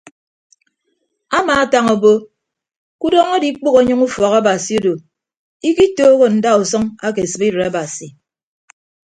Amaatañ obo ke udọñ adikpʌghọ anyịñ ufọk abasi odo ikitooho ndausʌñ ake sibidịt abasi.